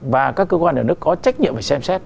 và các cơ quan nhà nước có trách nhiệm phải xem xét